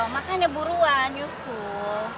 makannya buruan yusul